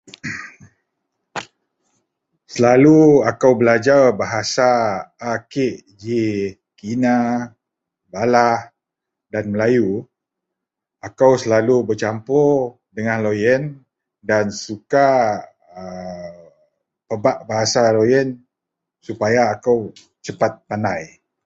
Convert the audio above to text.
Selalu akou blajar bahasa a kiek ji kina balah dan melayu akou selalu besapur dengan loyen dan suka aa pebak bahasa loyen supaya akou sepat pandai.